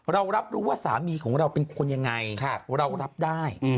เรารับรู้ว่าสามีของเราเป็นคนยังไงเรารับได้